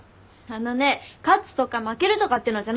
あのね勝つとか負けるとかってのじゃないの。